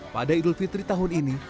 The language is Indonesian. pada idul fitri tahun ini